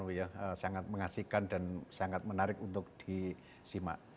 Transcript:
sangat mengasihkan dan sangat menarik untuk disimak